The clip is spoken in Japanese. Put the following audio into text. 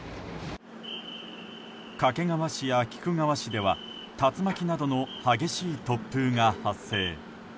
掛川市や菊川市では竜巻などの激しい突風が発生。